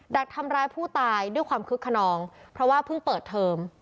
ดักทำร้ายผู้ตายด้วยความคึกขนองเพราะว่าเพิ่งเปิดเทอม